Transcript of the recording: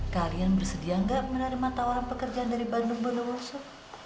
kalian bersedia gak menerima tawaran pekerjaan dari bandung bunda warsop